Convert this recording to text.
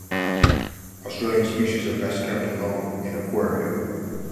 Australian species are best kept alone in aquaria.